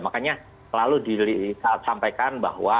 makanya selalu disampaikan bahwa